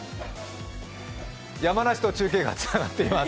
山梨と中継がつながっています。